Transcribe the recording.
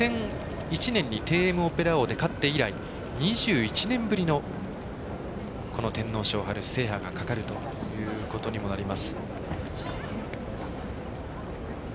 ２００１年にテイエムオペラオーで勝って以来、２１年ぶりのこの天皇賞制覇がかかるということにもなります。